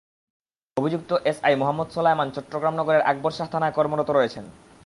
অভিযুক্ত এসআই মোহাম্মদ সোলায়মান চট্টগ্রাম নগরের আকবর শাহ থানায় কর্মরত রয়েছেন।